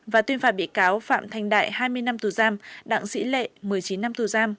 và tuyên phạt bị cáo phạm thành đại hai mươi năm tù giam đặng sĩ lệ một mươi chín năm tù giam